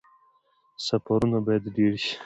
سفرونه باید ډیر شي